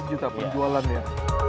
lima juta penjualan ya